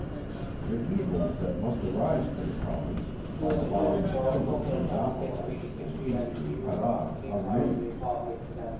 The evils that must arise to the Province, by allowing the timber to be monopolized and hastily cut off are many.